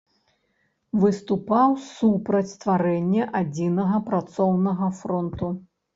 Выступаў супраць стварэння адзінага працоўнага фронту.